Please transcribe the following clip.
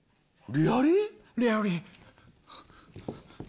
リアリー。